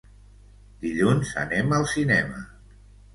Dilluns anem al cinema.